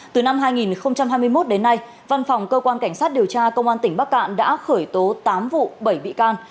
từ năm hai nghìn hai mươi một đến nay văn phòng cơ quan cảnh sát điều tra công an tỉnh bắc cạn đã khởi tố tám vụ bảy bị can